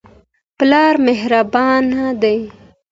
پلار مهربانه دی.